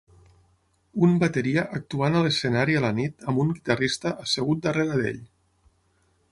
Un bateria actuant a l'escenari a la nit amb un guitarrista assegut darrere d'ell